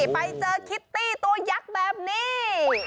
ไปเจอคิตตี้ตัวยักษ์แบบนี้